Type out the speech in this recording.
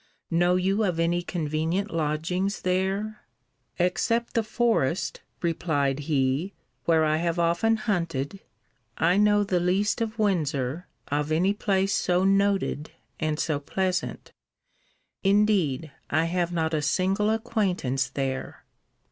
Know you of any convenient lodgings there? Except the forest, replied he, where I have often hunted, I know the least of Windsor of any place so noted and so pleasant. Indeed I have not a single acquaintance there.